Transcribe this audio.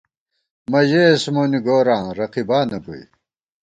مہ ژېس تہ مونی گوراں ، رقیبانہ گوئی